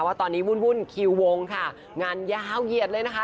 ว่าตอนนี้วุ่นคิววงค่ะงานยาวเหยียดเลยนะคะ